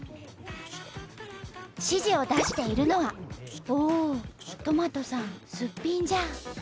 指示を出しているのはおおとまとさんすっぴんじゃ。